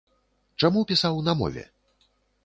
Чаму пісаў на мове?